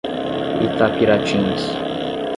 Itapiratins